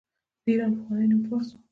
د ایران پخوانی نوم فارس و.